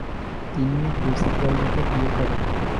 তিনি বেসি গার্লিকে বিয়ে করেন।